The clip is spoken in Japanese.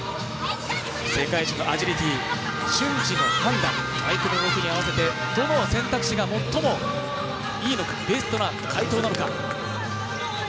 世界一のアジリティー、瞬時の判断、相手の動きに合わせてどの選択肢が最もいいのか、ベストな回答なのか。